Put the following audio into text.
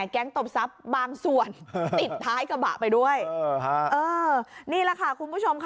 แก๊งตบทรัพย์บางส่วนติดท้ายกระบะไปด้วยนี่แหละค่ะคุณผู้ชมค่ะ